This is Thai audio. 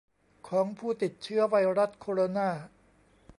ของผู้ติดเชื้อไวรัสโคโรนา